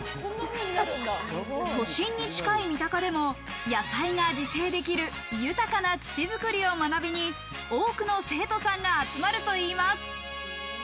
都心に近い三鷹でも野菜が自生できる豊かな土作りを学びに多くの生徒さんが集まるといいます。